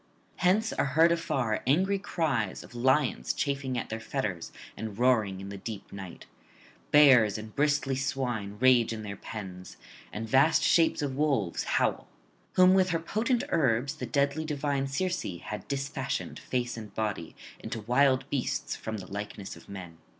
Hence are heard afar angry cries of lions chafing at their fetters and roaring in the deep night; bears and bristly swine rage in their pens, and vast shapes of wolves howl; whom with her potent herbs the deadly divine Circe had disfashioned, face and body, into wild beasts from the likeness of men.